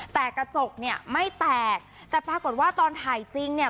แต่กระจกเนี่ยไม่แตกแต่ปรากฏว่าตอนถ่ายจริงเนี่ย